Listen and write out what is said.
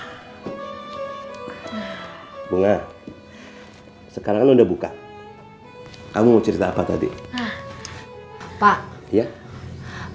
bapak tau nggak katanya potati itu mau jualan kue kering buat lebaran